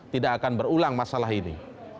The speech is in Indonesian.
tidak akan berulang masalah ini